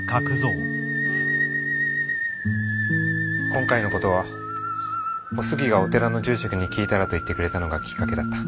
今回の事はお杉がお寺の住職に聞いたらと言ってくれたのがきっかけだった。